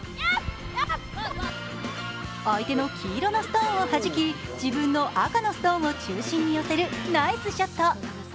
相手の黄色のストーンを弾き、自分の赤のストーンを中心に寄せるナイスショット